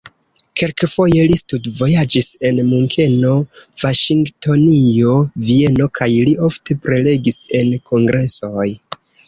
Kelkfoje li studvojaĝis en Munkeno, Vaŝingtonio, Vieno kaj li ofte prelegis en kongresoj.